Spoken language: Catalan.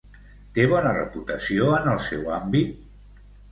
Té bona reputació en el seu àmbit?